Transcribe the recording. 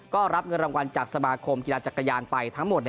ก็รับเงินรางวัลจากสมาคมกีฬาจักรยานไปทั้งหมด